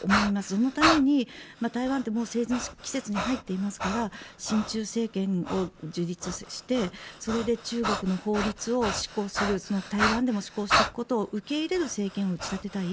そのために、台湾って政治の季節に入っていますから親中政権を樹立してそれで中国の法律を台湾でも施行していくことを打ち出せる政権を打ち立てたい。